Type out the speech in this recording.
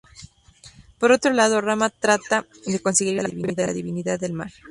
Por otro lado, Rama trata de conseguir el apoyo de la divinidad del mar.